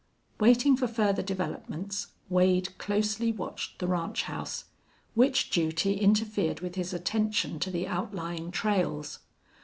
Waiting for further developments, Wade closely watched the ranch house, which duty interfered with his attention to the outlying trails.